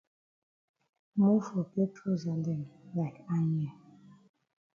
Mofor get trousa dem like Anye.